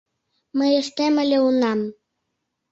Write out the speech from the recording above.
Мый ыштем ыле унам».